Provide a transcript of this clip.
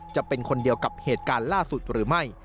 จะเป็นคนเดียวกับเหตุการณ์ล่าสุดหรือไม่